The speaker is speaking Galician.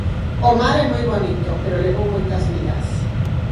O mar é moi bonito pero levou moitas vidas.